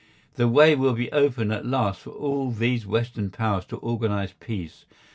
The way will be open at last for all these Western Powers to organise peace.